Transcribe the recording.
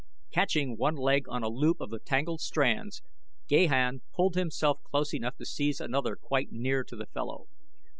Catching one leg on a loop of the tangled strands Gahan pulled himself close enough to seize another quite near to the fellow.